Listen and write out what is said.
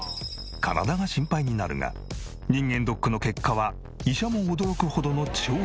体が心配になるが人間ドックの結果は医者も驚くほどの超健康だという。